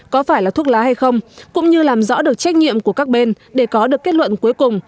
có phải là thuốc lá hay không cũng như làm rõ được trách nhiệm của các bên để có được kết luận cuối cùng